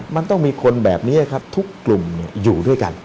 มันต้องมีคนแบบนี้ครับทุกกลุ่มอยู่ด้วยกัน